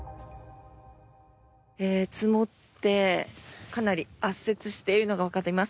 積もってかなり圧雪しているのがわかります。